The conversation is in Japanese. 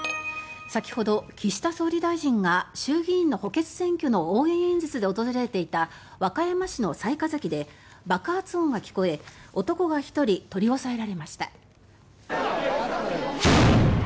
先ほど、岸田総理大臣が衆議院の補欠選挙の応援演説で訪れていた和歌山市の雑賀崎で爆発音が聞こえ、男が１人取り押さえられました。